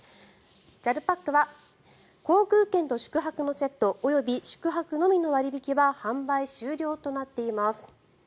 ＪＡＬパックは航空券と宿泊のセット及び宿泊のみの割引は販売終了となっています。